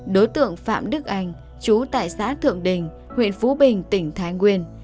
đối tượng phạm đức anh chú tại xã thượng đình huyện phú bình tỉnh thái nguyên